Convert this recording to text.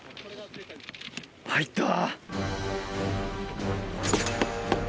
入った。